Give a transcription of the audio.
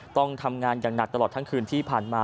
ต้องทำงานอย่างหนักตลอดทั้งคืนที่ผ่านมา